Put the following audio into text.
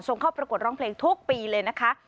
เข้าประกวดร้องเพลงทุกปีเลยนะคะ